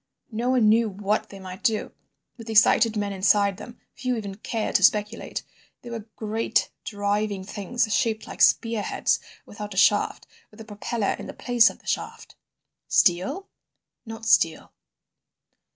No one knew what they might do, with excited men inside them; few even cared to speculate. They were great driving things shaped like spear heads without a shaft, with a propeller in the place of the shaft." "Steel?" "Not steel."